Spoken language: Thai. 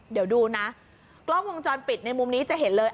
เดี๋ยวดูนะกล้องวงจรปิดในมุมนี้จะเห็นเลย